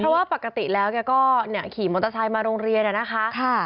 เพราะว่าปกติแล้วแกก็ขี่มอเตอร์ไซค์มาโรงเรียนนะคะ